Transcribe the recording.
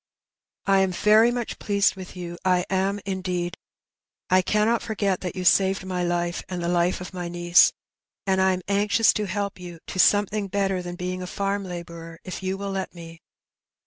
I am very much pleased with you; I am, indeed. I cannot forget that you saved my life, and the Ufe of my niece; and I am anxious to help you to something better than being a farm labourer if you will let me.